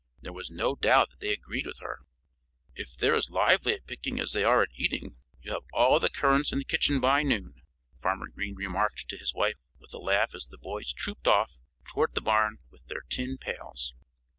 There was no doubt that they agreed with her. "If they're as lively at picking as they are at eating you'll have all the currants in the kitchen by noon," Farmer Green remarked to his wife with a laugh as the boys trooped off toward the barn with their tin pails.